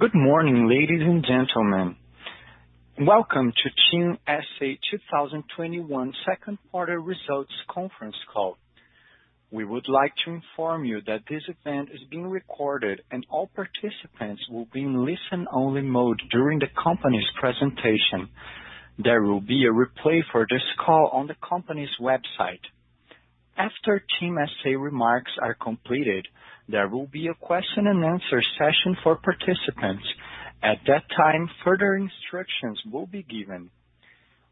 Good morning, ladies and gentlemen. Welcome to TIM S.A. 2021 second quarter results conference call. We would like to inform you that this event is being recorded, and all participants will be in listen-only mode during the company's presentation. There will be a replay for this call on the company's website. After TIM S.A. remarks are completed, there will be a question and answer session for participants. At that time, further instructions will be given.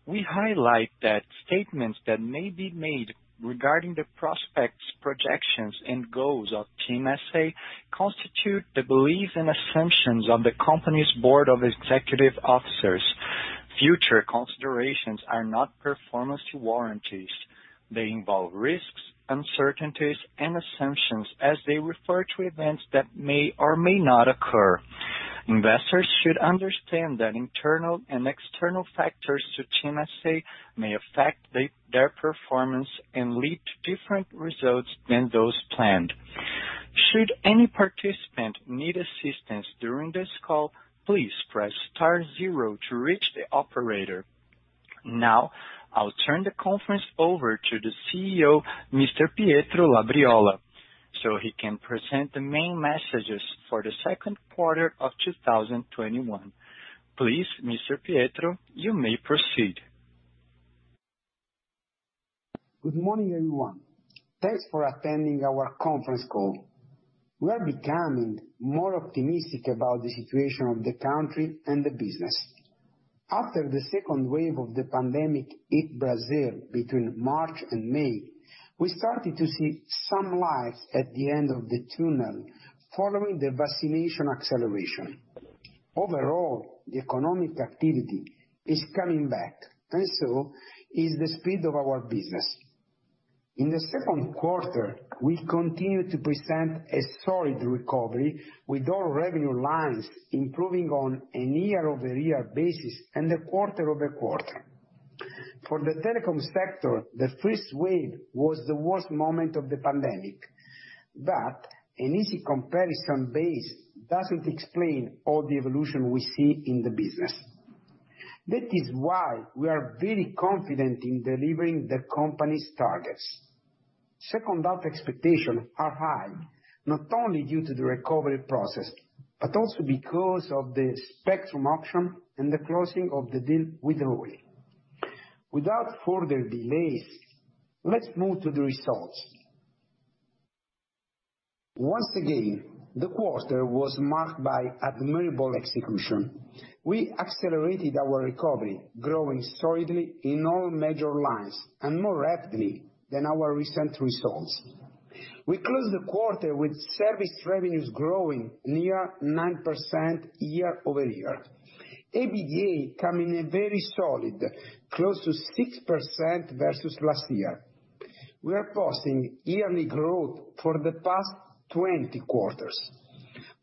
We highlight that statements that may be made regarding the prospects, projections, and goals of TIM S.A. constitute the beliefs and assumptions of the company's board of executive officers. Future considerations are not performance warranties. They involve risks, uncertainties, and assumptions as they refer to events that may or may not occur. Investors should understand that internal and external factors to TIM S.A. may affect their performance and lead to different results than those planned. Should any participant need assistance during this call, please press star zero to reach the operator. Now, I'll turn the conference over to the CEO, Mr. Pietro Labriola, so he can present the main messages for the second quarter of 2021. Please, Mr. Pietro, you may proceed. Good morning, everyone. Thanks for attending our conference call. We are becoming more optimistic about the situation of the country and the business. After the second wave of the pandemic hit Brazil between March and May, we started to see some light at the end of the tunnel following the vaccination acceleration. Overall, the economic activity is coming back, and so is the speed of our business. In the second quarter, we continued to present a solid recovery with our revenue lines improving on a year-over-year basis and the quarter-over-quarter. For the telecom sector, the first wave was the worst moment of the pandemic, but an easy comparison base doesn't explain all the evolution we see in the business. That is why we are very confident in delivering the company's targets. Our expectations are high, not only due to the recovery process, but also because of the spectrum auction and the closing of the deal with Oi. Without further delays, let's move to the results. Once again, the quarter was marked by admirable execution. We accelerated our recovery, growing solidly in all major lines and more rapidly than our recent results. We closed the quarter with service revenues growing near 9% year-over-year. EBITDA coming in very solid, close to 6% versus last year. We are posting yearly growth for the past 20 quarters.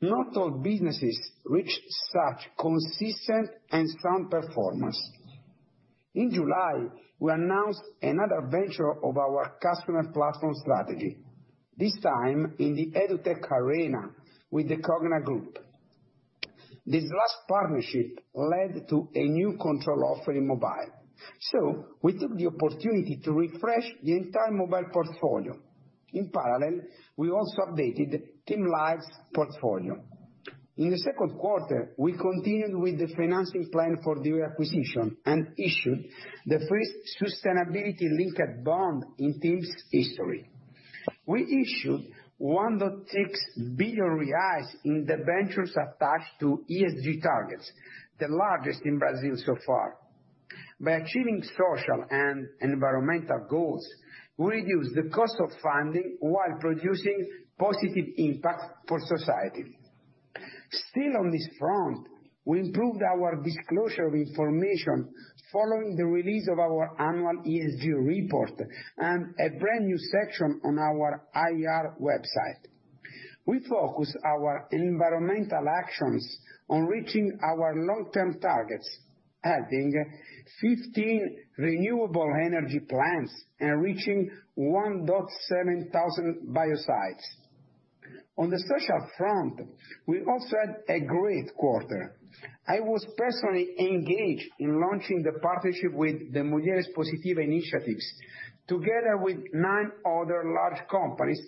Not all businesses reach such consistent and strong performance. In July, we announced another venture of our customer platform strategy, this time in the EdTech arena with the Cogna Group. This last partnership led to a new control offering mobile. We took the opportunity to refresh the entire mobile portfolio. In parallel, we also updated TIM Live's portfolio. In the second quarter, we continued with the financing plan for the acquisition and issued the first sustainability-linked bond in TIM's history. We issued 1.6 billion reais in the ventures attached to ESG targets, the largest in Brazil so far. By achieving social and environmental goals, we reduce the cost of funding while producing positive impact for society. Still on this front, we improved our disclosure of information following the release of our annual ESG report and a brand new section on our IR website. We focus our environmental actions on reaching our long-term targets, adding 15 renewable energy plants and reaching 1,700 biosites. On the social front, we also had a great quarter. I was personally engaged in launching the partnership with the Mulheres Positivas initiatives together with nine other large companies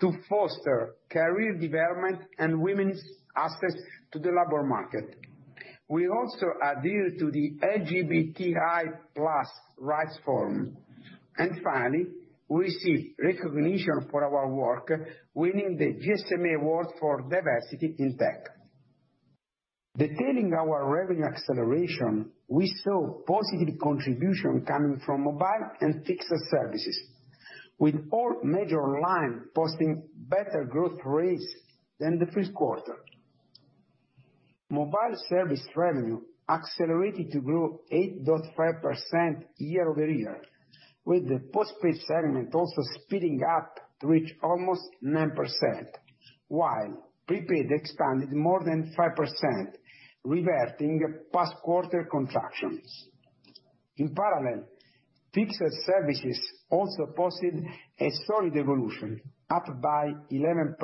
to foster career development and women's access to the labor market. We also adhere to the LGBTI+ rights forum. Finally, we receive recognition for our work winning the GSMA award for diversity in tech. Detailing our revenue acceleration, we saw positive contribution coming from mobile and fixed services, with all major line posting better growth rates than the first quarter. Mobile service revenue accelerated to grow 8.5% year-over-year, with the postpaid segment also speeding up to reach almost 9%, while prepaid expanded more than 5%, reverting past quarter contractions. In parallel, fixed services also posted a solid evolution, up by 11%,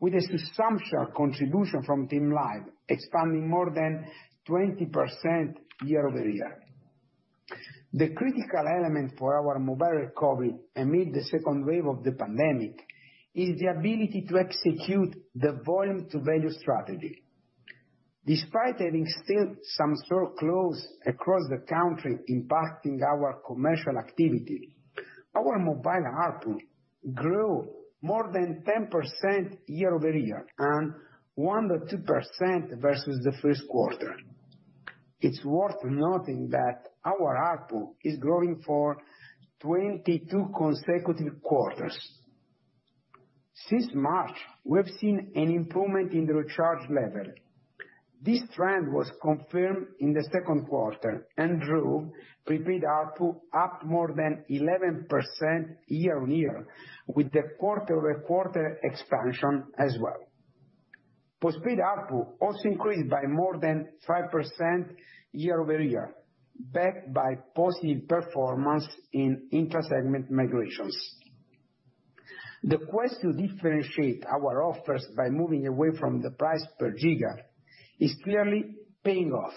with a substantial contribution from TIM Live expanding more than 20% year-over-year. The critical element for our mobile recovery amid the second wave of the pandemic is the ability to execute the volume to value strategy. Despite having still some stores closed across the country impacting our commercial activity, our mobile ARPU grew more than 10% year-over-year and 1%-2% versus the first quarter. It is worth noting that our ARPU is growing for 22 consecutive quarters. Since March, we have seen an improvement in the recharge level. This trend was confirmed in the second quarter and drove prepaid ARPU up more than 11% year-on-year, with the quarter-over-quarter expansion as well. Postpaid ARPU also increased by more than 5% year-over-year, backed by positive performance in intra-segment migrations. The quest to differentiate our offers by moving away from the price per giga is clearly paying off.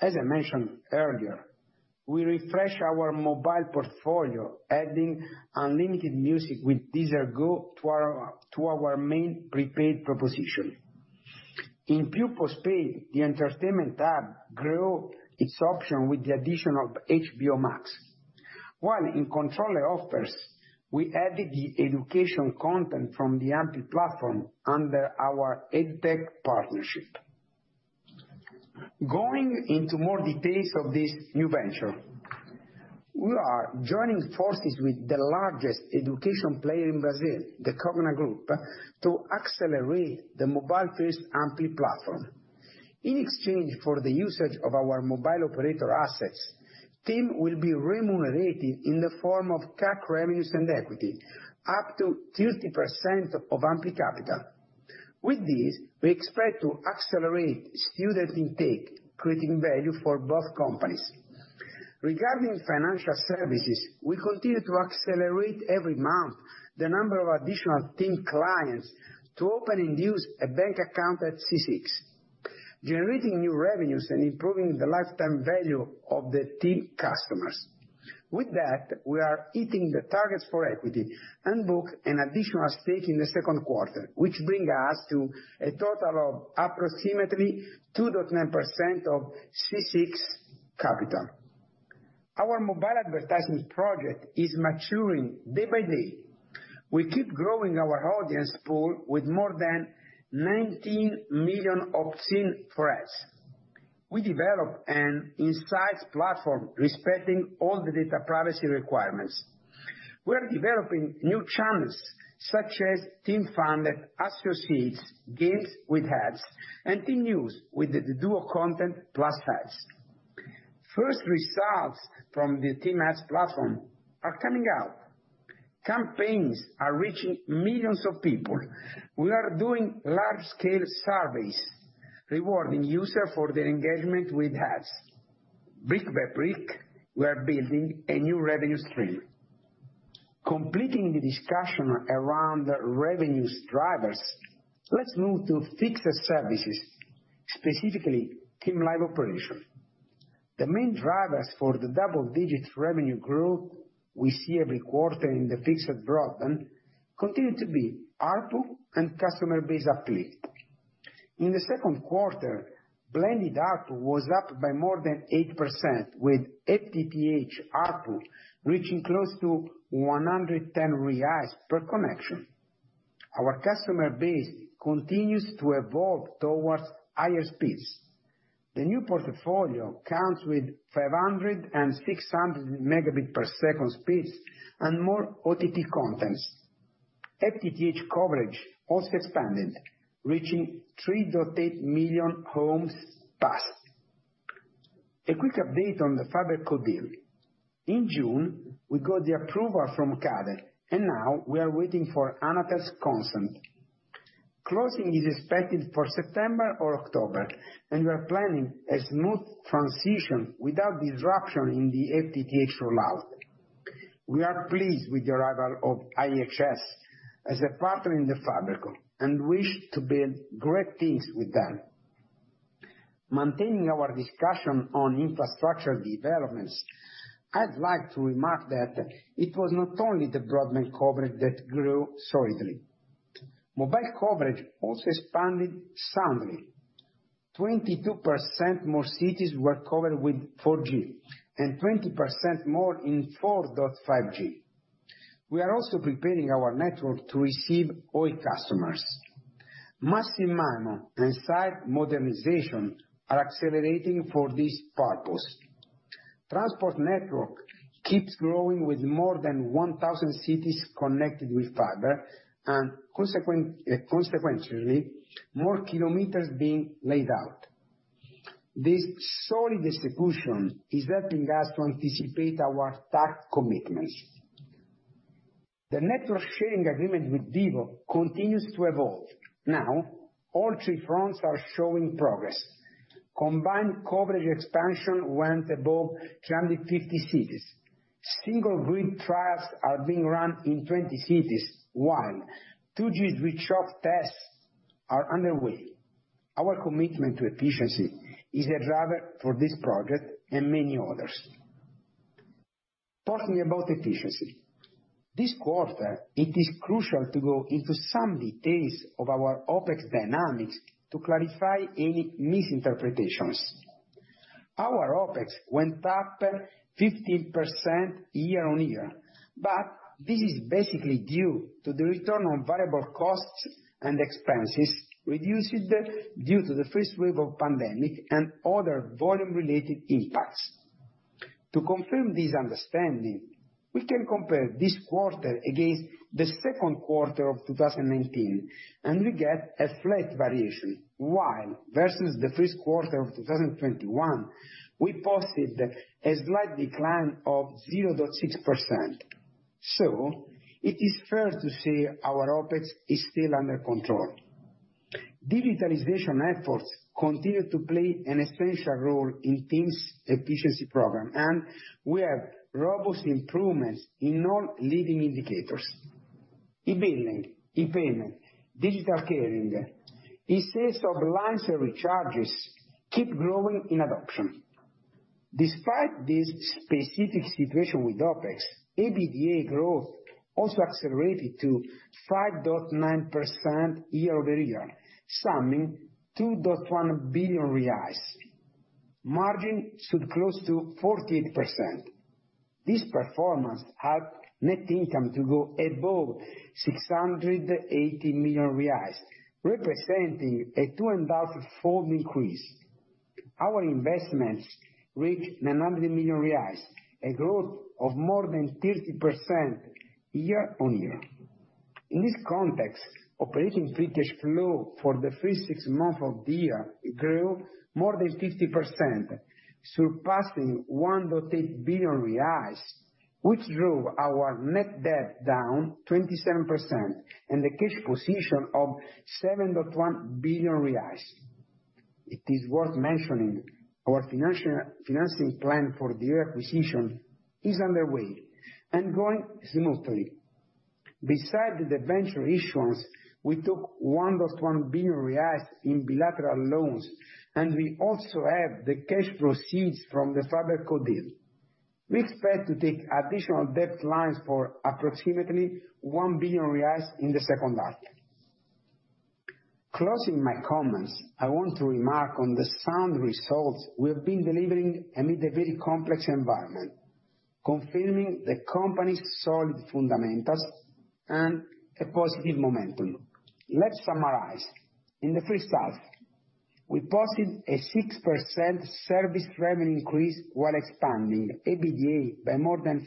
As I mentioned earlier, we refresh our mobile portfolio, adding unlimited music with Deezer GO to our main prepaid proposition. In pure postpaid, the entertainment tab grew its option with the addition of HBO Max. While in controller offers, we added the education content from the Ampli platform under our EdTech partnership. Going into more details of this new venture. We are joining forces with the largest education player in Brazil, the Cogna Group, to accelerate the mobile-first Ampli platform. In exchange for the usage of our mobile operator assets, TIM will be remunerated in the form of CAC revenues and equity, up to 30% of Ampli capital. With this, we expect to accelerate student intake, creating value for both companies. Regarding financial services, we continue to accelerate every month the number of additional TIM clients to open and use a bank account at C6, generating new revenues and improving the lifetime value of the TIM customers. We are hitting the targets for equity and book an additional stake in the second quarter, which bring us to a total of approximately 2.9% of C6 capital. Our mobile advertising project is maturing day by day. We keep growing our audience pool with more than 19 million opt-in threads. We develop an insights platform respecting all the data privacy requirements. We are developing new channels such as TIM FUN, Associate, Games with Ads, and TIM News with the dual content plus ads. First results from the TIM Ads platform are coming out. Campaigns are reaching millions of people. We are doing large-scale surveys, rewarding users for their engagement with ads. Brick by brick, we are building a new revenue stream. Completing the discussion around the revenues drivers, let's move to fixed services, specifically TIM Live operations. The main drivers for the double-digit revenue growth we see every quarter in the fixed broadband continue to be ARPU and customer base uplift. In the second quarter, blended ARPU was up by more than 8%, with FTTH ARPU reaching close to 110 reais per connection. Our customer base continues to evolve towards higher speeds. The new portfolio counts with 500 Mbps and 600 Mbps speeds and more OTT contents. FTTH coverage also expanded, reaching 3.8 million homes passed. A quick update on the FiberCo deal. In June, we got the approval from CADE, and now we are waiting for Anatel's consent. Closing is expected for September or October, and we are planning a smooth transition without disruption in the FTTH rollout. We are pleased with the arrival of IHS as a partner in the FiberCo and wish to build great things with them. Maintaining our discussion on infrastructure developments, I'd like to remark that it was not only the broadband coverage that grew solidly. Mobile coverage also expanded soundly. 22% more cities were covered with 4G and 20% more in 4.5G. We are also preparing our network to receive Oi customers. Massive MIMO and site modernization are accelerating for this purpose. Transport network keeps growing with more than 1,000 cities connected with fiber and consequently, more kilometers being laid out. This solid execution is helping us to anticipate our tax commitments. The network sharing agreement with Vivo continues to evolve. Now, all three fronts are showing progress. Combined coverage expansion went above 250 cities. Single RAN trials are being run in 20 cities, while 2G reach out tests are underway. Our commitment to efficiency is a driver for this project and many others. Talking about efficiency. This quarter, it is crucial to go into some details of our OpEx dynamics to clarify any misinterpretations. Our OpEx went up 15% year-over-year, but this is basically due to the return on variable costs and expenses reduced due to the first wave of pandemic and other volume related impacts. To confirm this understanding, we can compare this quarter against the second quarter of 2019, and we get a slight variation, while, versus the first quarter of 2021, we posted a slight decline of 0.6%. It is fair to say our OpEx is still under control. Digitalization efforts continue to play an essential role in TIM's efficiency program, and we have robust improvements in all leading indicators. E-billing, e-payment, digital caring, e-sales of lines and recharges keep growing in adoption. Despite this specific situation with OpEx, EBITDA growth also accelerated to 5.9% year-over-year, summing BRL 2.1 billion. Margin stood close to 48%. This performance helped net income to go above 680 million reais, representing a two and a half fold increase. Our investments reached 900 million reais, a growth of more than 30% year-on-year. In this context, operating free cash flow for the first six months of the year grew more than 50%, surpassing 1.8 billion reais, which drove our net debt down 27%, and a cash position of 7.1 billion reais. It is worth mentioning, our financing plan for the acquisition is underway and going smoothly. Beside the venture issuance, we took 1.1 billion reais in bilateral loans and we also have the cash proceeds from the FiberCo deal. We expect to take additional debt lines for approximately 1 billion reais in the second half. Closing my comments, I want to remark on the sound results we have been delivering amid a very complex environment, confirming the company's solid fundamentals and a positive momentum. Let's summarize. In the first half, we posted a 6% service revenue increase while expanding EBITDA by more than 5%.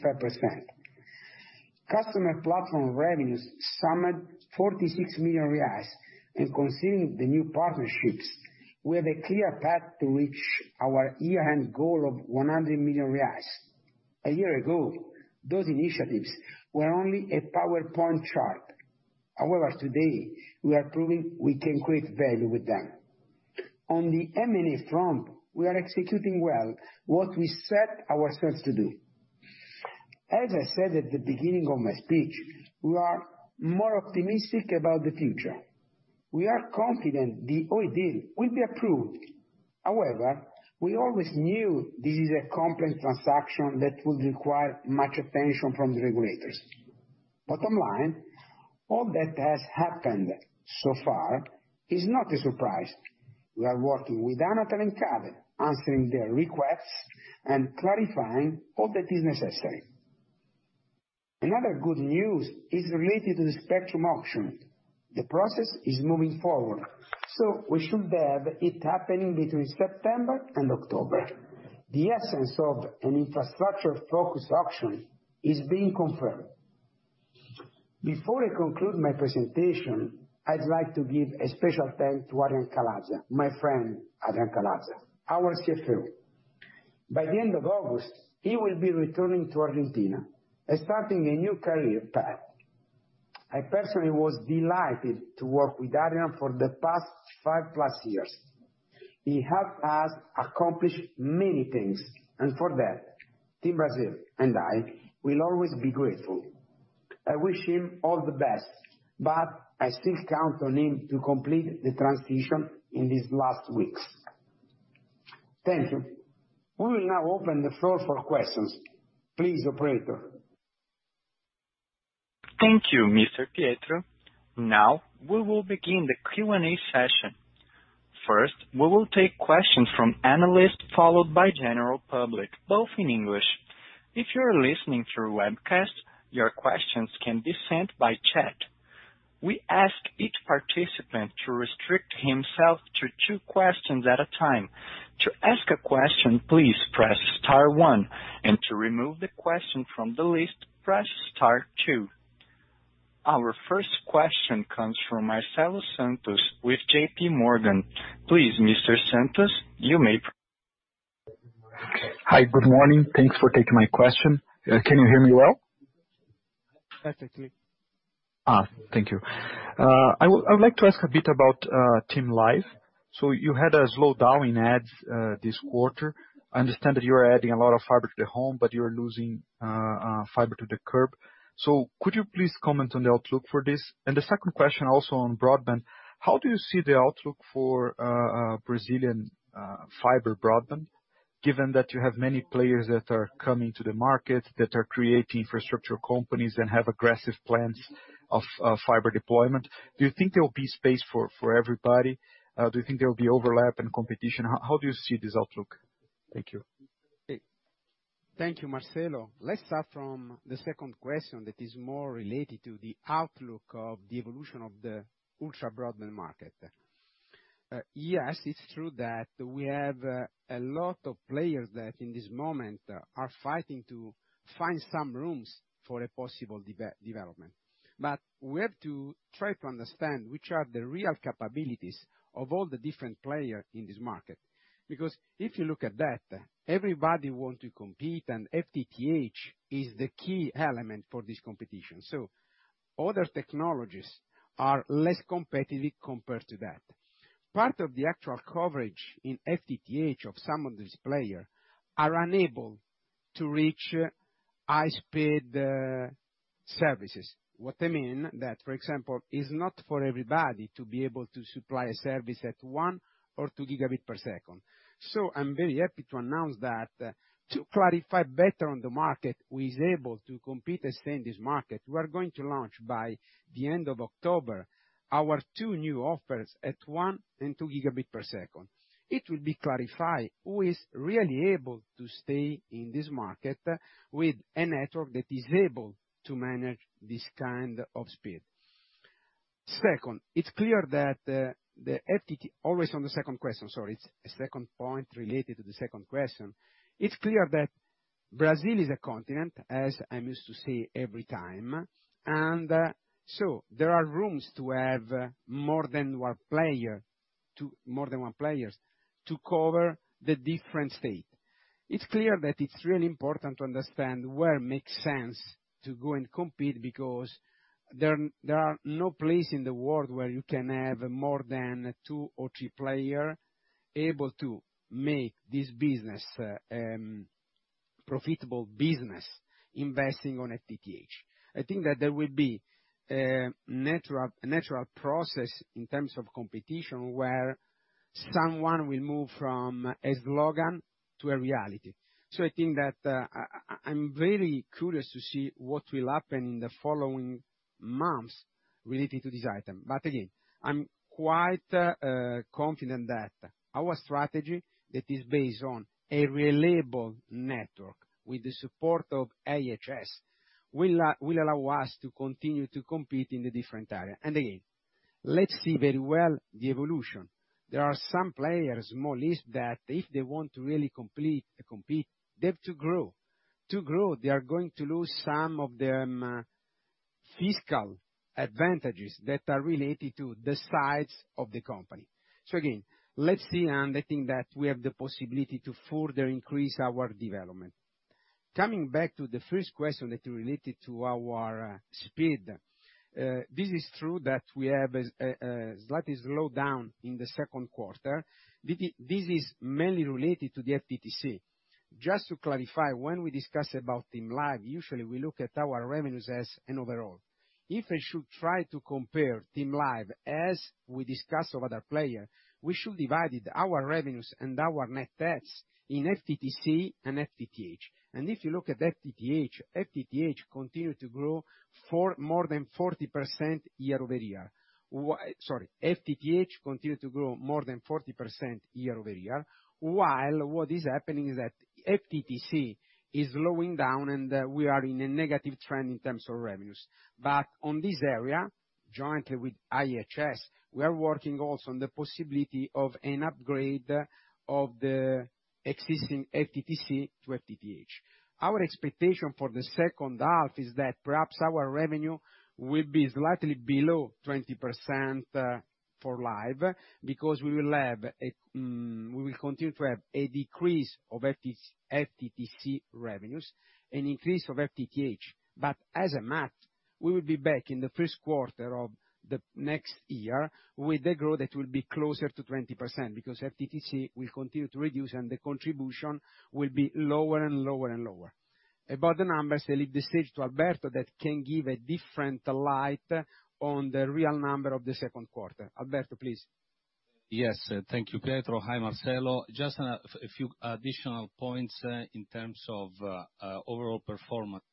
Customer platform revenues summed 46 million reais and considering the new partnerships, we have a clear path to reach our year-end goal of 100 million reais. A year ago, those initiatives were only a PowerPoint chart. However, today, we are proving we can create value with them. On the M&A front, we are executing well what we set ourselves to do. As I said at the beginning of my speech, we are more optimistic about the future. We are confident the Oi deal will be approved. However, we always knew this is a complex transaction that would require much attention from the regulators. Bottom line, all that has happened so far is not a surprise. We are working with Anatel and CADE, answering their requests and clarifying all that is necessary. Another good news is related to the spectrum auction. The process is moving forward, so we should have it happening between September and October. The essence of an infrastructure focus auction is being confirmed. Before I conclude my presentation, I'd like to give a special thanks to Adrian Calaza, my friend Adrian Calaza, our CFO. By the end of August, he will be returning to Argentina and starting a new career path. I personally was delighted to work with Adrian for the past 5+ years. He helped us accomplish many things, and for that, TIM Brazil and I will always be grateful. I wish him all the best, but I still count on him to complete the transition in these last weeks. Thank you. We will now open the floor for questions. Please, operator. Thank you, Mr. Pietro. Now, we will begin the Q&A session. First, we will take questions from analysts, followed by general public, both in English. If you're listening through webcast, your questions can be sent by chat. We ask each participant to restrict himself to two questions at a time. To ask a question, please press star one, and to remove the question from the list, press star two. Our first question comes from Marcelo Santos with JPMorgan. Please, Mr. Santos, you may proceed. Hi, good morning. Thanks for taking my question. Can you hear me well? Perfectly. Thank you. I would like to ask a bit about TIM Live. You had a slowdown in ads this quarter. I understand that you're adding a lot of fiber to the home, but you're losing fiber to the curb. Could you please comment on the outlook for this? The second question also on broadband, how do you see the outlook for Brazilian fiber broadband, given that you have many players that are coming to the market, that are creating infrastructure companies and have aggressive plans of fiber deployment? Do you think there will be space for everybody? Do you think there will be overlap and competition? How do you see this outlook? Thank you. Thank you, Marcelo. Let's start from the second question that is more related to the outlook of the evolution of the ultra-broadband market. Yes, it's true that we have a lot of players that, in this moment, are fighting to find some rooms for a possible development. We have to try to understand which are the real capabilities of all the different players in this market. If you look at that, everybody want to compete, and FTTH is the key element for this competition. Other technologies are less competitive compared to that. Part of the actual coverage in FTTH of some of these player are unable to reach high-speed services. What I mean, that, for example, it's not for everybody to be able to supply a service at 1 Gb or 2 Gb per second. I'm very happy to announce that to clarify better on the market who is able to compete and stay in this market, we are going to launch by the end of October, our two new offers at one and 2 Gb per second. It will be clarified who is really able to stay in this market with a network that is able to manage this kind of speed. Second, it's clear that the always on the second question, sorry, it's a second point related to the second question. It's clear that Brazil is a continent, as I'm used to say every time, there are rooms to have more than one players to cover the different state. It's clear that it's really important to understand where makes sense to go and compete, because there are no place in the world where you can have more than two or three player able to make this business a profitable business investing on FTTH. I think that there will be a natural process in terms of competition where someone will move from a slogan to a reality. I think that I'm very curious to see what will happen in the following months relating to this item. Again, I'm quite confident that our strategy that is based on a reliable network with the support of IHS, will allow us to continue to compete in the different area. Again, let's see very well the evolution. There are some players, smallish, that if they want to really compete, they have to grow. To grow, they are going to lose some of their fiscal advantages that are related to the size of the company. Again, let's see, and I think that we have the possibility to further increase our development. Coming back to the first question that you related to our speed. This is true that we have a slight slowdown in the second quarter. This is mainly related to the FTTC. Just to clarify, when we discuss about TIM Live, usually we look at our revenues as an overall. If I should try to compare TIM Live as we discuss of other player, we should divide our revenues and our net adds in FTTC and FTTH. If you look at FTTH continue to grow more than 40% year-over-year. Sorry, FTTH continue to grow more than 40% year-over-year, while what is happening is that FTTC is slowing down and we are in a negative trend in terms of revenues. On this area, jointly with IHS, we are working also on the possibility of an upgrade of the existing FTTC to FTTH. Our expectation for the second half is that perhaps our revenue will be slightly below 20% for Live, because we will continue to have a decrease of FTTC revenues, an increase of FTTH. As a math, we will be back in the first quarter of the next year with a growth that will be closer to 20%, because FTTC will continue to reduce and the contribution will be lower and lower. About the numbers, I leave the stage to Alberto that can give a different light on the real number of the second quarter. Alberto, please. Yes. Thank you, Pietro. Hi, Marcelo. Just a few additional points in terms of overall performance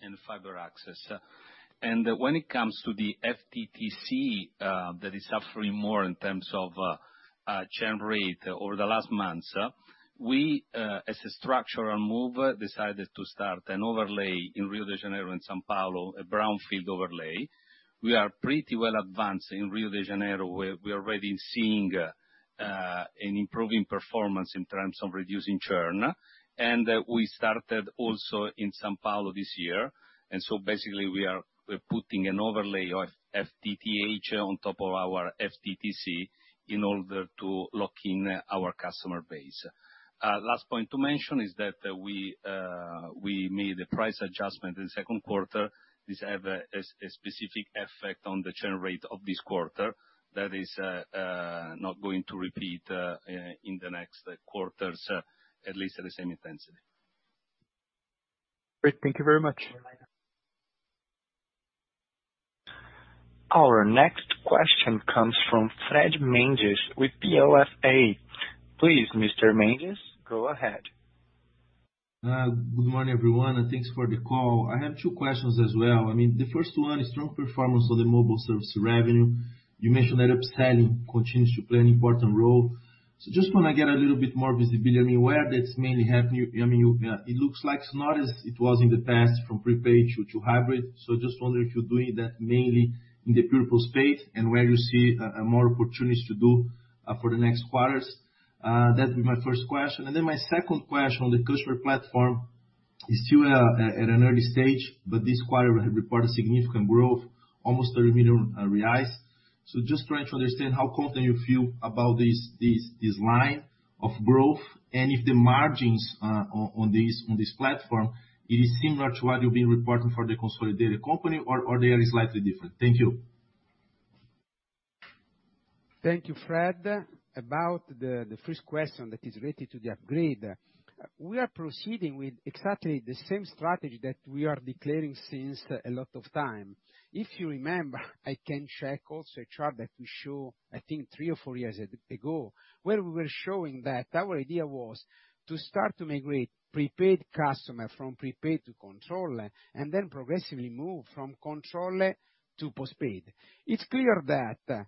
in fiber access. When it comes to the FTTC that is suffering more in terms of churn rate over the last months, we, as a structural move, decided to start an overlay in Rio de Janeiro and São Paulo, a brownfield overlay. We are pretty well advanced in Rio de Janeiro, where we are already seeing an improving performance in terms of reducing churn. We started also in São Paulo this year. Basically we are putting an overlay of FTTH on top of our FTTC in order to lock in our customer base. Last point to mention is that we made a price adjustment in second quarter. This have a specific effect on the churn rate of this quarter. That is not going to repeat in the next quarters, at least at the same intensity. Great. Thank you very much. Our next question comes from Fred Mendes with BofA. Please, Mr. Mendes, go ahead. Good morning, everyone, and thanks for the call. I have two questions as well. The first one is strong performance on the mobile service revenue. You mentioned that upselling continues to play an important role. Just want to get a little bit more visibility. Where that's mainly happening? It looks like it's not as it was in the past from prepaid to hybrid. Just wonder if you're doing that mainly in the post-paid and where you see more opportunities to do for the next quarters. That'd be my first question. My second question on the customer platform is still at an early stage, but this quarter reported significant growth, almost 30 million reais. Just trying to understand how confident you feel about this line of growth and if the margins on this platform are similar to what you've been reporting for the consolidated company or they are slightly different. Thank you. Thank you, Fred. About the first question that is related to the upgrade, we are proceeding with exactly the same strategy that we are declaring since a lot of time. If you remember, I can check also a chart that we show, I think three or four years ago, where we were showing that our idea was to start to migrate prepaid customer from prepaid to control and then progressively move from control to post-paid. It's clear that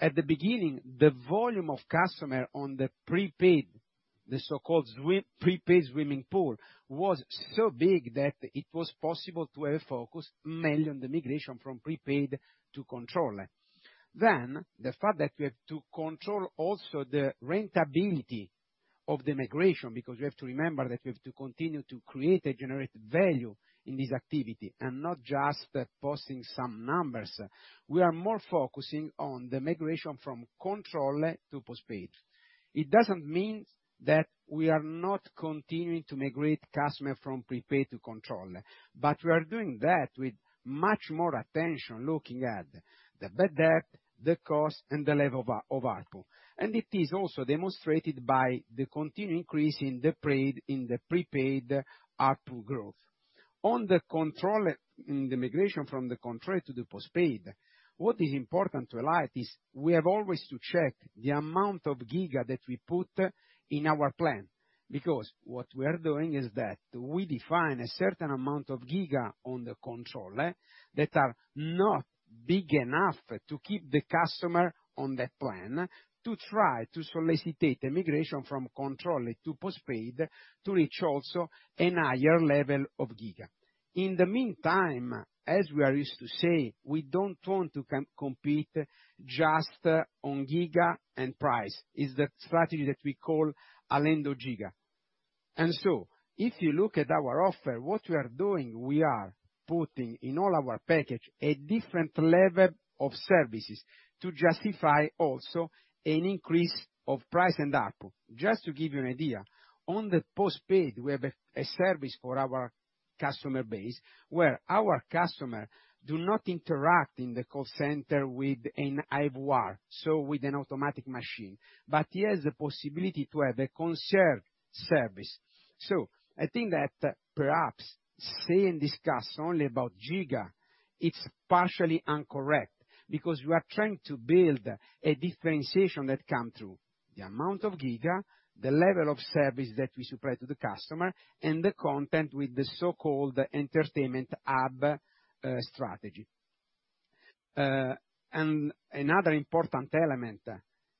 at the beginning, the volume of customer on the prepaid, the so-called prepaid swimming pool, was so big that it was possible to have focused mainly on the migration from prepaid to control. The fact that we have to control also the rentability of the migration, because you have to remember that we have to continue to create and generate value in this activity and not just posting some numbers. We are more focusing on the migration from control to post-paid. It doesn't mean that we are not continuing to migrate customer from prepaid to control. We are doing that with much more attention, looking at the bad debt, the cost, and the level of ARPU. It is also demonstrated by the continued increase in the prepaid ARPU growth. On the migration from the control to the post-paid, what is important to highlight is we have always to check the amount of giga that we put in our plan. What we are doing is that we define a certain amount of giga on the control that are not big enough to keep the customer on that plan to try to solicitate a migration from control to post-paid to reach also a higher level of giga. In the meantime, as we are used to say, we don't want to compete just on giga and price. It's the strategy that we call a blend of giga. If you look at our offer, what we are doing, we are putting in all our package a different level of services to justify also an increase of price and ARPU. Just to give you an idea, on the post-paid, we have a service for our customer base where our customer do not interact in the call center with an IVR, so with an automatic machine, but he has the possibility to have a concierge service. I think that perhaps say and discuss only about giga, it's partially incorrect because we are trying to build a differentiation that come through the amount of giga, the level of service that we supply to the customer, and the content with the so-called entertainment hub strategy. Another important element,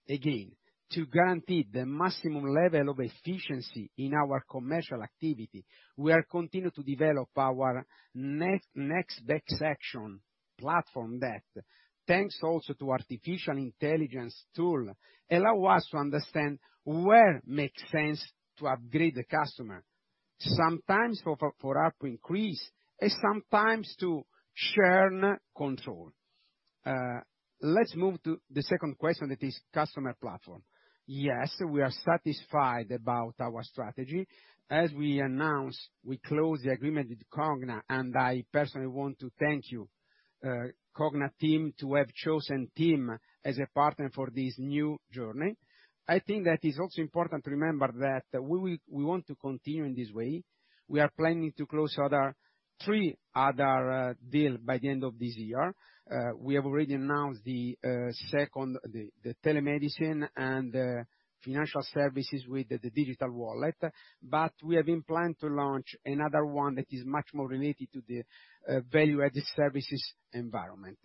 again, to guarantee the maximum level of efficiency in our commercial activity, we are continuing to develop our next best action platform that, thanks also to artificial intelligence tool, allow us to understand where makes sense to upgrade the customer. Sometimes for ARPU increase and sometimes to churn control. Let's move to the second question that is customer platform. Yes, we are satisfied about our strategy. As we announced, we closed the agreement with Cogna, and I personally want to thank you, Cogna team, to have chosen TIM as a partner for this new journey. I think that it's also important to remember that we want to continue in this way. We are planning to close three other deal by the end of this year. We have already announced the telemedicine and financial services with the digital wallet. We have been planning to launch another one that is much more related to the value-added services environment.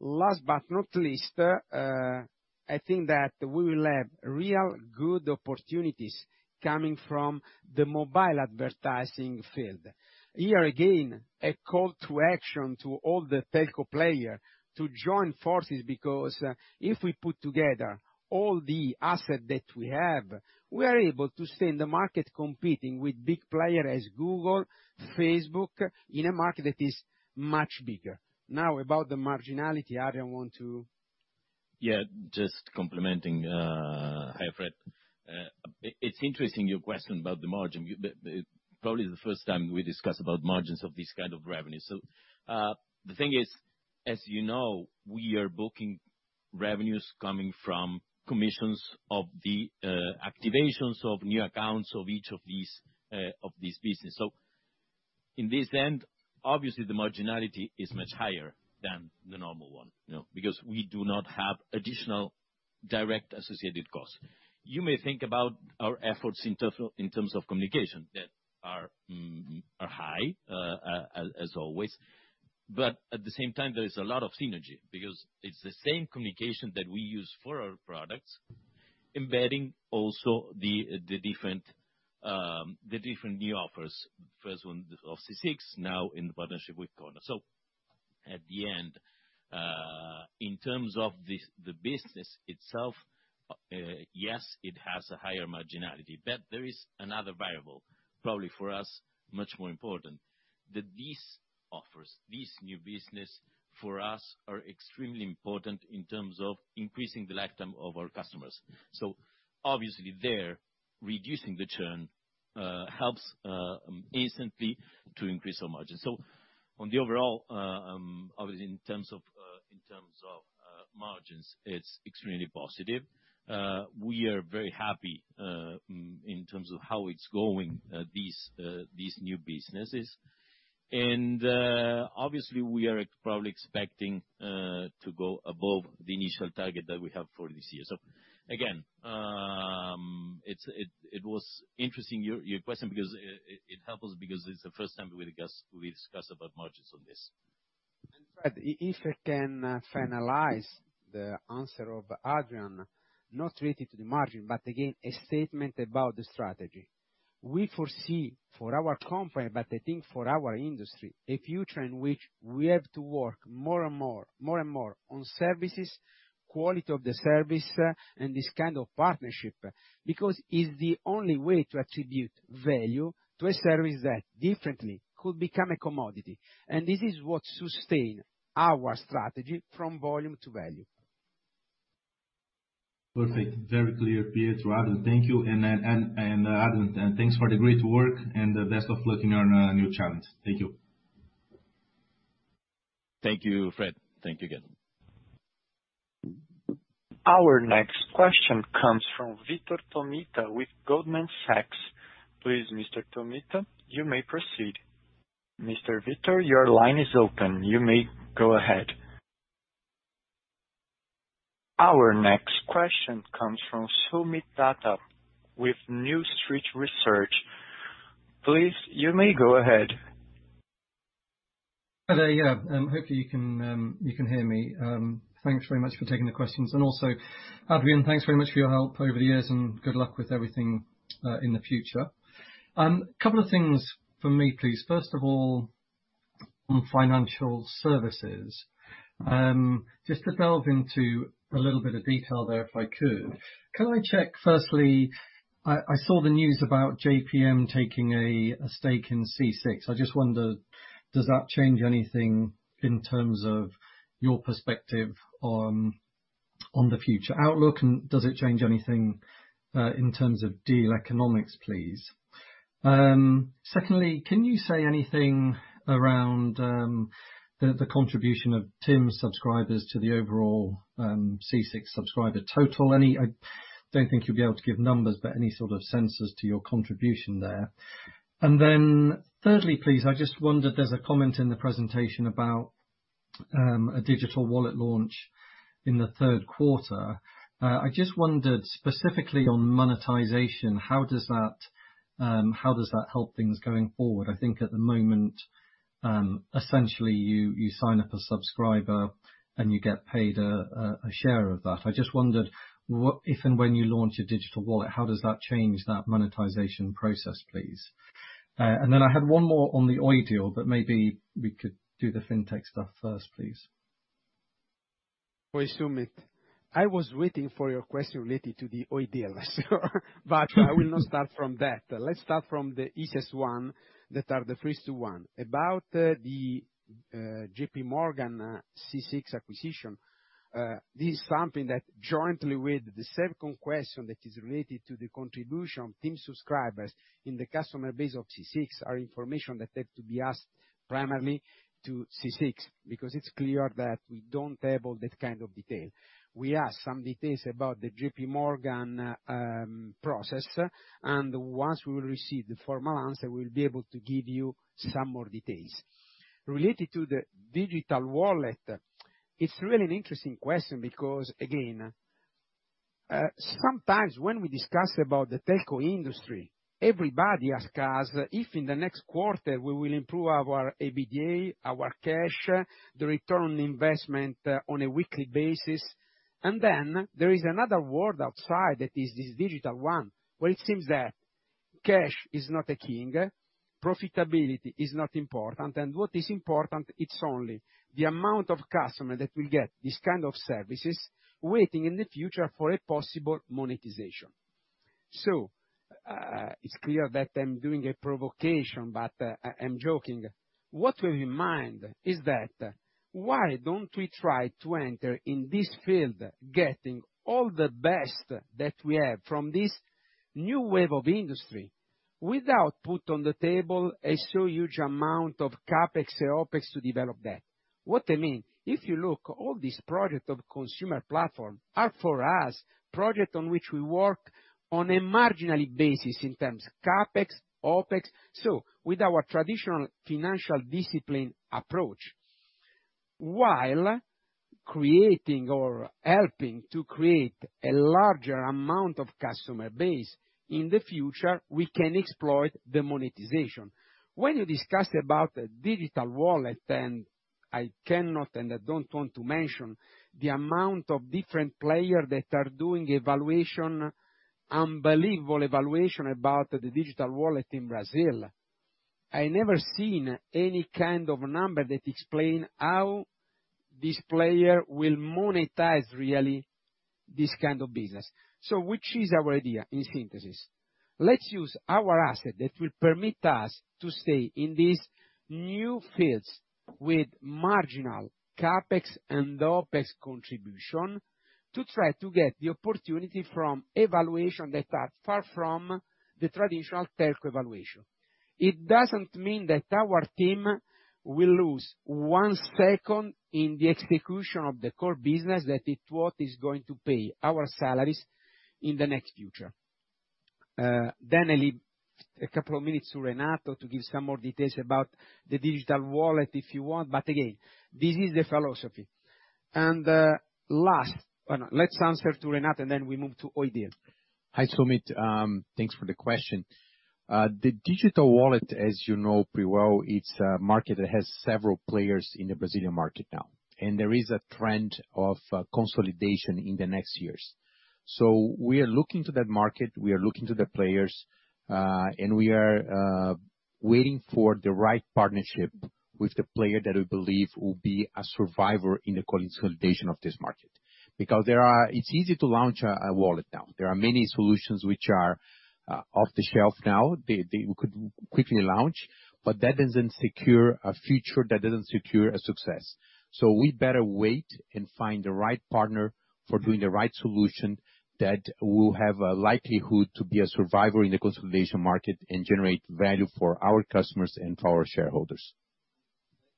Last but not least, I think that we will have real good opportunities coming from the mobile advertising field. Here again, a call to action to all the telco player to join forces, because if we put together all the asset that we have, we are able to stay in the market competing with big player as Google, Facebook, in a market that is much bigger. Now, about the marginality, Adrian want to Yeah, just complementing, hi, Fred. It's interesting, your question about the margin. Probably the first time we discuss about margins of this kind of revenue. The thing is, as you know, we are booking revenues coming from commissions of the activations of new accounts of each of these business. In this end, obviously the marginality is much higher than the normal one because we do not have additional direct associated costs. You may think about our efforts in terms of communication that are high as always. At the same time, there is a lot of synergy because it's the same communication that we use for our products, embedding also the different new offers. First one of C6, now in partnership with Cogna. At the end, in terms of the business itself, yes, it has a higher marginality. There is another variable, probably for us, much more important. That these offers, this new business for us are extremely important in terms of increasing the lifetime of our customers. Obviously there, reducing the churn, helps instantly to increase our margins. On the overall, obviously in terms of margins, it's extremely positive. We are very happy in terms of how it's going, these new businesses. Obviously we are probably expecting to go above the initial target that we have for this year. Again, it was interesting your question because it helped us because it's the first time we discuss about margins on this. Fred, if I can finalize the answer of Adrian, not related to the margin, but again, a statement about the strategy. We foresee for our company, but I think for our industry, a future in which we have to work more and more on services, quality of the service, and this kind of partnership. It's the only way to attribute value to a service that differently could become a commodity. This is what sustain our strategy from volume to value. Perfect. Very clear, Pietro, Adrian, thank you. Adrian, thanks for the great work and the best of luck in your new challenge. Thank you. Thank you, Fred. Thank you again. Our next question comes from Vitor Tomita with Goldman Sachs. Please, Mr. Tomita, you may proceed. Mr. Vitor, your line is open. You may go ahead. Our next question comes from Soomit Datta with New Street Research. Please, you may go ahead. Hello. Yeah. Hopefully you can hear me. Thanks very much for taking the questions, and also, Adrian, thanks very much for your help over the years and good luck with everything in the future. Couple of things from me, please. First of all, on financial services. Just to delve into a little bit of detail there, if I could. Can I check firstly, I saw the news about JPM taking a stake in C6. I just wonder, does that change anything in terms of your perspective on the future outlook, and does it change anything, in terms of deal economics, please? Secondly, can you say anything around the contribution of TIM subscribers to the overall C6 subscriber total? I don't think you'll be able to give numbers, but any sort of sense as to your contribution there. Thirdly, please, I just wondered, there's a comment in the presentation about a digital wallet launch in the third quarter. I just wondered specifically on monetization, how does that help things going forward? I think at the moment, essentially you sign up a subscriber and you get paid a share of that. I just wondered if and when you launch a digital wallet, how does that change that monetization process, please? I had one more on the Oi deal, but maybe we could do the fintech stuff first, please. Oi, Soomit. I was waiting for your question related to the Oi deal, but I will not start from that. Let's start from the easiest one, that are the first two one. About the JPMorgan C6 acquisition, this is something that jointly with the second question that is related to the contribution TIM subscribers in the customer base of C6, are information that have to be asked primarily to C6, because it's clear that we don't have all that kind of detail. We asked some details about the JPMorgan process, and once we receive the formal answer, we'll be able to give you some more details. Related to the digital wallet, it's really an interesting question because again, sometimes when we discuss about the telco industry, everybody asks us if in the next quarter we will improve our EBITDA, our cash, the return on investment on a weekly basis. Then there is another world outside that is this digital one, where it seems that cash is not a king, profitability is not important, and what is important, it's only the amount of customer that will get this kind of services waiting in the future for a possible monetization. It's clear that I'm doing a provocation, but I'm joking. What we have in mind is that, why don't we try to enter in this field, getting all the best that we have from this new wave of industry, without put on the table a so huge amount of CapEx and OpEx to develop that? What I mean, if you look all this project of consumer platform are, for us, project on which we work on a marginally basis in terms of CapEx, OpEx, with our traditional financial discipline approach, while creating or helping to create a larger amount of customer base, in the future, we can exploit the monetization. When you discuss about the digital wallet, I cannot and I don't want to mention the amount of different player that are doing evaluation, unbelievable evaluation about the digital wallet in Brazil. I never seen any kind of number that explain how this player will monetize really this kind of business. Which is our idea in synthesis? Let's use our asset that will permit us to stay in these new fields with marginal CapEx and OpEx contribution, to try to get the opportunity from evaluation that are far from the traditional telco evaluation. It doesn't mean that our team will lose one second in the execution of the core business, that is what is going to pay our salaries in the next future. I leave a couple of minutes to Renato to give some more details about the digital wallet if you want, but again, this is the philosophy. Last Oh, no. Let's answer to Renato, then we move to Oi deal. Hi, Soomit. Thanks for the question. The digital wallet, as you know pretty well, it's a market that has several players in the Brazilian market now. There is a trend of consolidation in the next years. We are looking to that market, we are looking to the players, and we are waiting for the right partnership with the player that we believe will be a survivor in the consolidation of this market. It's easy to launch a wallet now. There are many solutions which are off the shelf now, they could quickly launch, but that doesn't secure a future, that doesn't secure a success. We better wait and find the right partner for doing the right solution that will have a likelihood to be a survivor in the consolidation market and generate value for our customers and for our shareholders.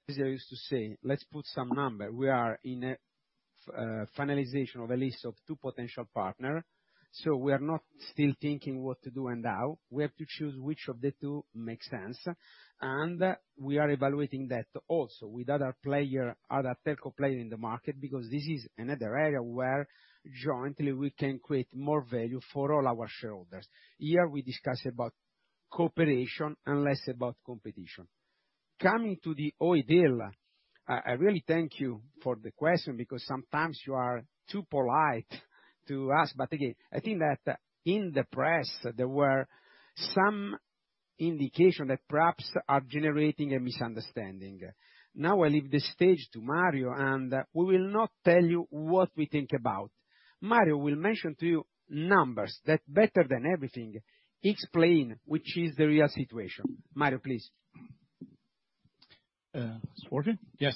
As I used to say, let's put some number. We are in a finalization of a list of two potential partner. We are not still thinking what to do and how. We have to choose which of the two makes sense. We are evaluating that also with other player, other telco player in the market, because this is another area where jointly we can create more value for all our shareholders. Here we discuss about cooperation and less about competition. Coming to the Oi deal, I really thank you for the question because sometimes you are too polite to ask, again, I think that in the press, there were some indication that perhaps are generating a misunderstanding. Now I leave the stage to Mario, we will not tell you what we think about. Mario will mention to you numbers that better than everything explain which is the real situation. Mario, please. It's working? Yes.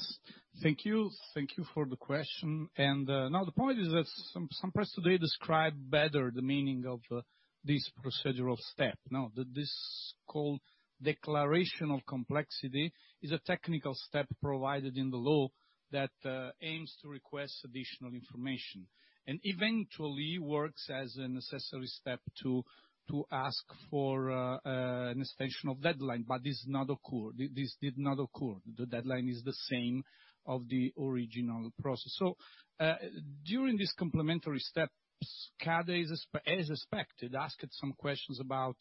Thank you. Thank you for the question. Now, the point is that some press today describe better the meaning of this procedural step. This so-called declarational complexity is a technical step provided in the law that aims to request additional information, and eventually works as a necessary step to ask for an extension of deadline. This did not occur. The deadline is the same of the original process. During this complementary steps, CADE, as expected, asked some questions about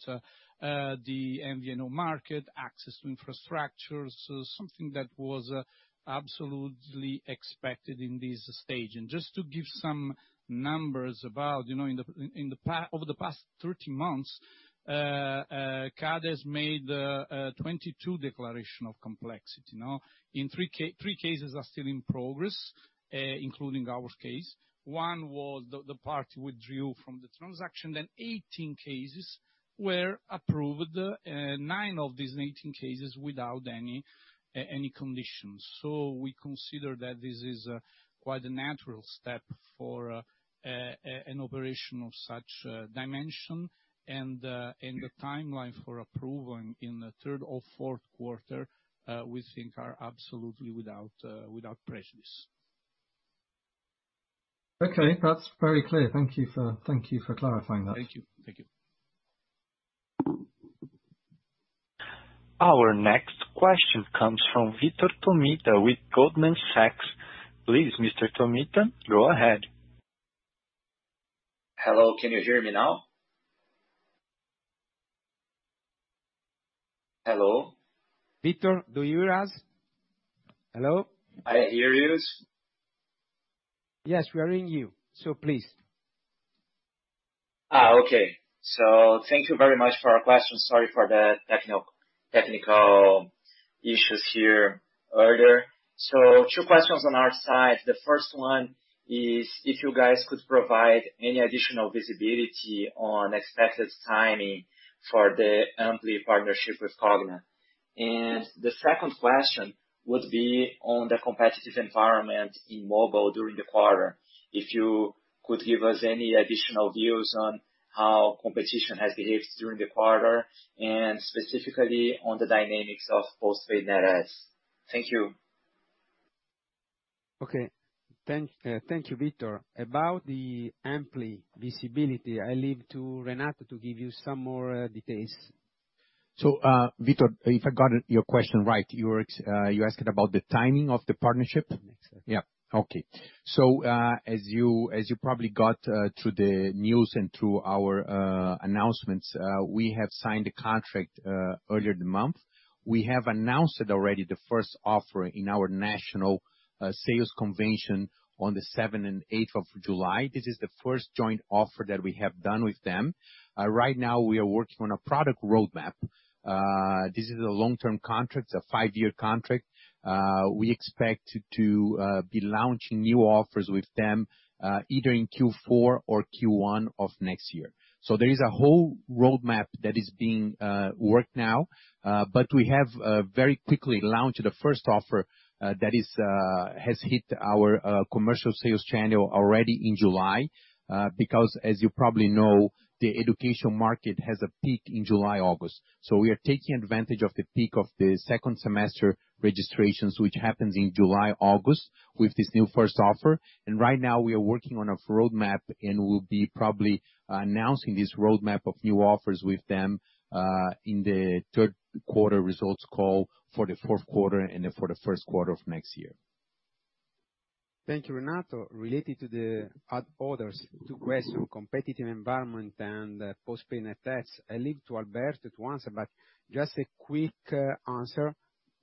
the MVNO market, access to infrastructures, something that was absolutely expected in this stage. Just to give some numbers about over the past 13 months, CADE has made 22 declaration of complexity, no? Three cases are still in progress, including our case. One was the party withdrew from the transaction, then 18 cases were approved, nine of these 18 cases without any conditions. We consider that this is quite a natural step for an operation of such dimension and the timeline for approval in the third or fourth quarter, we think are absolutely without prejudice. Okay. That's very clear. Thank you for clarifying that. Thank you. Thank you. Our next question comes from Vitor Tomita with Goldman Sachs. Please, Mr. Tomita, go ahead. Hello, can you hear me now? Hello? Vitor, do you hear us? Hello? I hear you. Yes, we are hearing you. Please. Okay. Thank you very much for your questions. Sorry for the technical issues here earlier. Two questions on our side. The first one is if you guys could provide any additional visibility on expected timing for the Ampli partnership with Cogna. The second question would be on the competitive environment in mobile during the quarter. If you could give us any additional views on how competition has behaved during the quarter, and specifically on the dynamics of postpaid net adds. Thank you. Okay. Thank you, Vitor. About the Ampli visibility, I leave to Renato to give you some more details. Vitor, if I got your question right, you asked about the timing of the partnership? Yes. Okay. As you probably got through the news and through our announcements, we have signed a contract earlier this month. We have announced already the first offer in our national sales convention on the seventh and 8th of July. This is the first joint offer that we have done with them. Right now we are working on a product roadmap. This is a long-term contract, it's a five-year contract. We expect to be launching new offers with them either in Q4 or Q1 of next year. There is a whole roadmap that is being worked now. We have very quickly launched the first offer that has hit our commercial sales channel already in July. Because as you probably know, the education market has a peak in July, August. We are taking advantage of the peak of the second semester registrations, which happens in July, August, with this new first offer. Right now we are working on a roadmap, and we'll be probably announcing this roadmap of new offers with them in the third quarter results call for the fourth quarter and then for the first quarter of next year. Thank you, Renato. Related to the others two questions, competitive environment and postpaid net adds, I leave to Alberto to answer, but just a quick answer.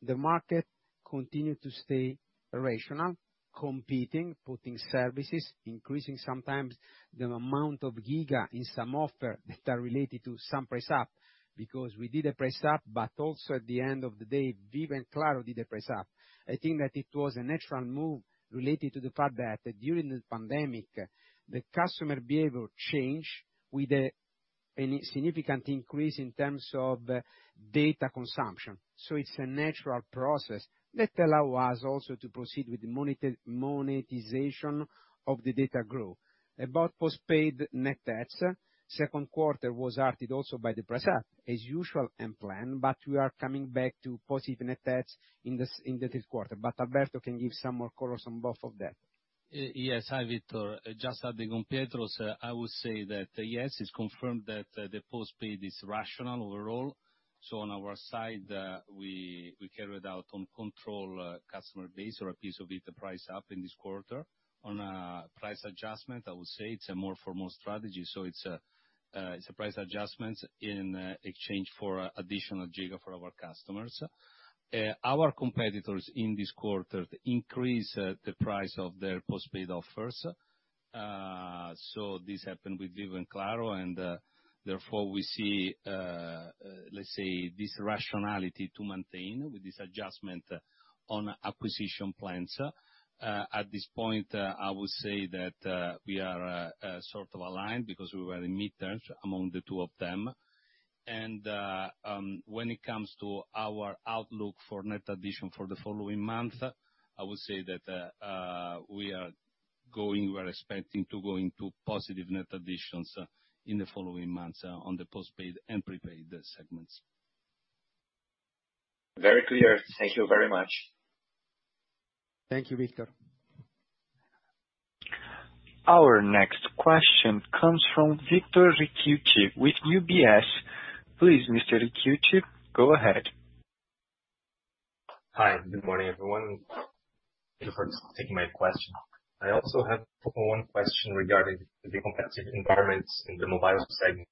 The market continued to stay rational, competing, putting services, increasing sometimes the amount of giga in some offers that are related to some price up, because we did a price up, but also at the end of the day, Vivo and Claro did a price up. I think that it was a natural move related to the fact that during the pandemic, the customer behavior changed with a significant increase in terms of data consumption. It's a natural process that allow us also to proceed with the monetization of the data growth. About postpaid net adds, second quarter was affected also by the price up, as usual and planned, we are coming back to positive net adds in the third quarter. Alberto can give some more colors on both of them. Yes. Hi, Vitor. Just adding on Pietro's, I would say that, yes, it's confirmed that the postpaid is rational overall. On our side, we carried out on control customer base or a piece of it a price up in this quarter. On price adjustment, I would say it's a more for more strategy, so it's a price adjustment in exchange for additional giga for our customers. Our competitors in this quarter increased the price of their postpaid offers. This happened with Vivo and Claro, and, therefore, we see, let's say, this rationality to maintain with this adjustment on acquisition plans. At this point, I would say that we are sort of aligned because we were in mid-terms among the two of them. When it comes to our outlook for net addition for the following month, I would say that we are expecting to go into positive net additions in the following months on the postpaid and prepaid segments. Very clear. Thank you very much. Thank you, Vitor. Our next question comes from [Victor Ricchiuto] with UBS. Please, Mr. Ricchiuto, go ahead. Hi. Good morning, everyone. Thank you for taking my question. I also have one question regarding the competitive environments in the mobile segment.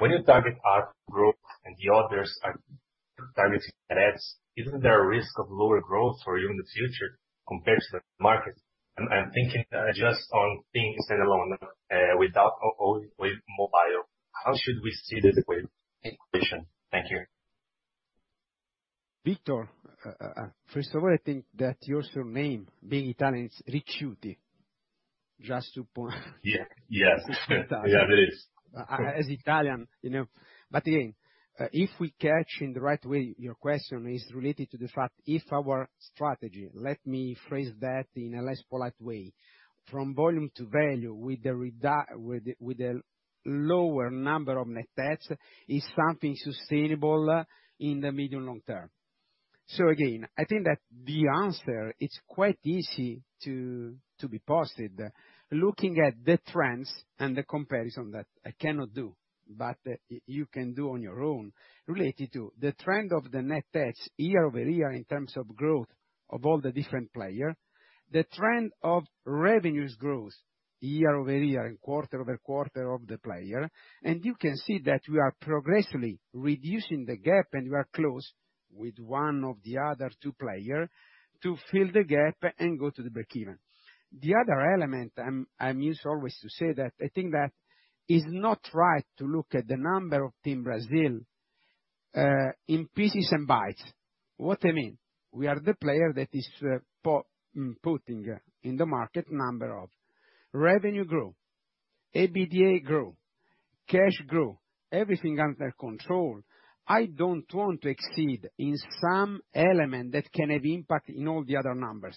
When you target ARPU growth and the others are targeting net adds, isn't there a risk of lower growth for you in the future compared to the market? I'm thinking just on TIM standalone without or with mobile. How should we see this equation? Thank you. Victor, first of all, I think that your surname being Italian is Ricchiuto. Yeah. Yes. It's fantastic. Yeah, it is. As Italian. Again, if we catch in the right way, your question is related to the fact if our strategy, let me phrase that in a less polite way, from volume to value with a lower number of net adds is something sustainable in the medium-long term. Again, I think that the answer, it's quite easy to be posed. Looking at the trends and the comparison that I cannot do, but you can do on your own related to the trend of the net adds year-over-year in terms of growth of all the different player, the trend of revenues growth year-over-year and quarter-over-quarter of the player, and you can see that we are progressively reducing the gap, and we are close with one of the other two player to fill the gap and go to the breakeven. The other element, I'm used always to say that I think that it's not right to look at the number of TIM Brasil in pieces and bytes. What I mean, we are the player that is putting in the market number of revenue growth, EBITDA growth, cash growth, everything under control. I don't want to exceed in some element that can have impact in all the other numbers.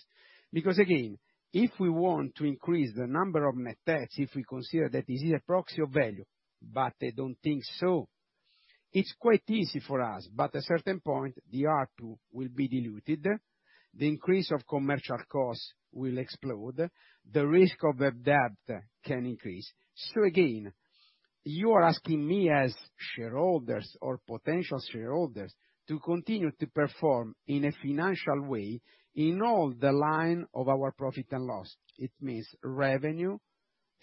Again, if we want to increase the number of net adds, if we consider that this is a proxy of value, but I don't think so, it's quite easy for us. At a certain point, the ARPU will be diluted, the increase of commercial costs will explode, the risk of a debt can increase. You are asking me as shareholders or potential shareholders to continue to perform in a financial way in all the line of our profit and loss. It means revenue,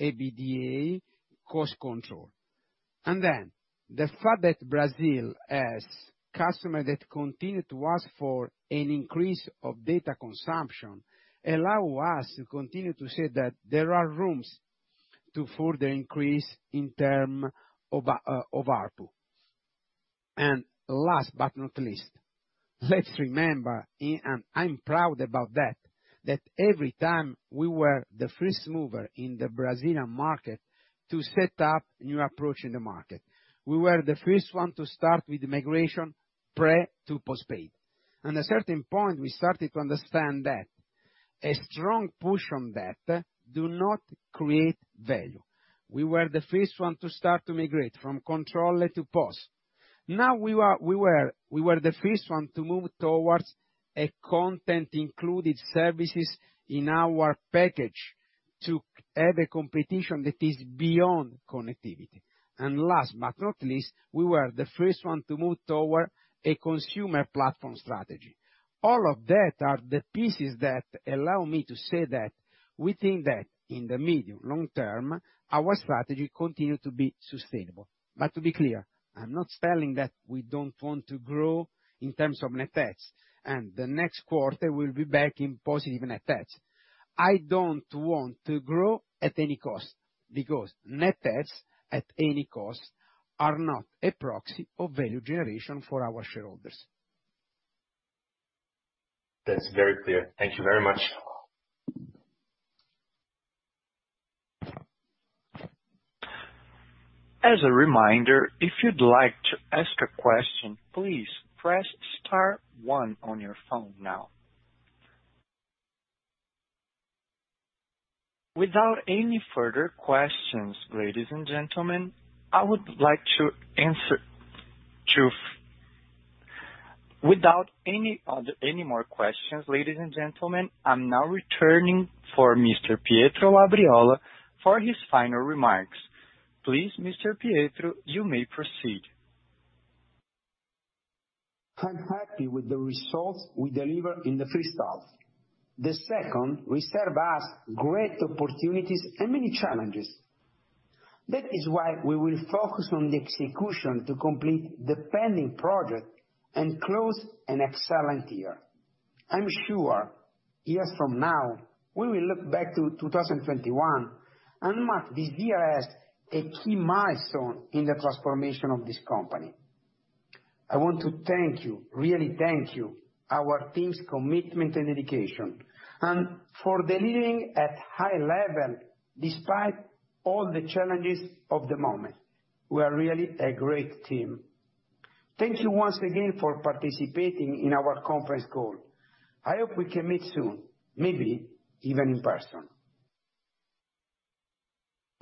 EBITDA, cost control. The fact that Brazil has customer that continue to ask for an increase of data consumption allow us to continue to say that there are rooms to further increase in term of ARPU. Last but not least, let's remember, and I'm proud about that every time we were the first mover in the Brazilian market to set up new approach in the market. We were the first one to start with migration pre to post-paid. On a certain point, we started to understand that a strong push on that do not create value. We were the first one to start to migrate from control to post. We were the first one to move towards a content included services in our package to have a competition that is beyond connectivity. Last but not least, we were the first one to move toward a consumer platform strategy. All of that are the pieces that allow me to say that we think that in the medium long term, our strategy continue to be sustainable. To be clear, I'm not saying that we don't want to grow in terms of net adds, and the next quarter will be back in positive net adds. I don't want to grow at any cost because net adds at any cost are not a proxy of value generation for our shareholders. That's very clear. Thank you very much. As a reminder, if you'd like to ask a question, please press star one on your phone now. Without any further questions, ladies and gentlemen, I'm now returning for Mr. Pietro Labriola for his final remarks. Please, Mr. Pietro, you may proceed. I'm happy with the results we delivered in the first half. The second reserve has great opportunities and many challenges. That is why we will focus on the execution to complete the pending project and close an excellent year. I'm sure years from now, we will look back to 2021 and mark this year as a key milestone in the transformation of this company. I want to thank you, really thank you, our team's commitment and dedication, and for delivering at high level despite all the challenges of the moment. We are really a great team. Thank you once again for participating in our conference call. I hope we can meet soon, maybe even in person.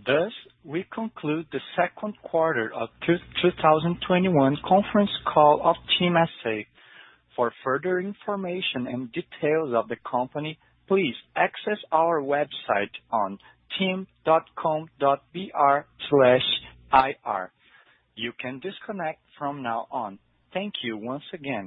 Thus, we conclude the second quarter of 2021 conference call of TIM S.A. For further information and details of the company, please access our website on tim.com.br/ir. You can disconnect from now on. Thank you once again.